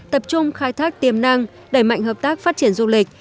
tập trung khai thác tiềm năng đẩy mạnh hợp tác phát triển du lịch